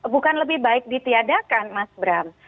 bukan lebih baik ditiadakan mas bram